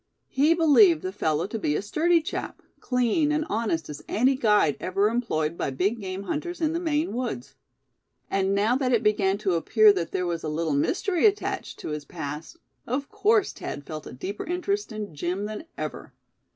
He believed the fellow to be a sturdy chap, clean and honest as any guide ever employed by big game hunters in the Maine woods. And now that it began to appear that there was a little mystery attached to his past, of course Thad felt a deeper interest in Jim than ever.